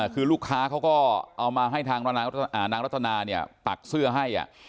คือลูกค้าเขาก็เอามาให้ทางนางรัตนาเนี่ยปักเสื้อให้